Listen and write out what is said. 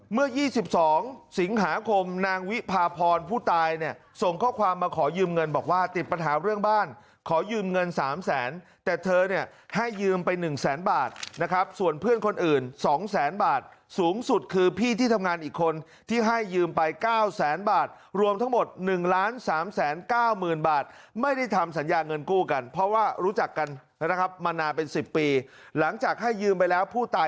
เมื่อ๒๒สิงหาคมนางวิพาพรผู้ตายเนี่ยส่งข้อความมาขอยืมเงินบอกว่าติดปัญหาเรื่องบ้านขอยืมเงิน๓แสนแต่เธอเนี่ยให้ยืมไป๑แสนบาทนะครับส่วนเพื่อนคนอื่น๒แสนบาทสูงสุดคือพี่ที่ทำงานอีกคนที่ให้ยืมไป๙แสนบาทรวมทั้งหมด๑๓๙๐๐๐บาทไม่ได้ทำสัญญาเงินกู้กันเพราะว่ารู้จักกันนะครับมานานเป็น๑๐ปีหลังจากให้ยืมไปแล้วผู้ตาย